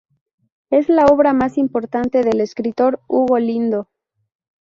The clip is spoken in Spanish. Es la obra más importante del escritor Hugo Lindo